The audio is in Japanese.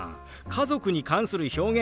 家族に関する表現